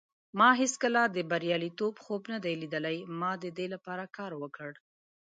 ما هیڅکله د بریالیتوب خوب نه دی لیدلی. ما د دې لپاره کار وکړ.